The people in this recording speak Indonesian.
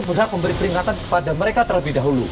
berhak memberi peringatan kepada mereka terlebih dahulu